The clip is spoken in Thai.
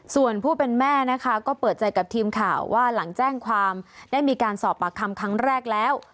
ส่วนผู้เป็นแม่นะคะก็เปิดใจกับทีมข่าวว่าหลังแจ้งความได้มีการสอบปากคำครั้งแรกแล้ว